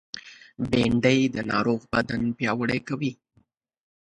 بېنډۍ د ناروغ بدن پیاوړی کوي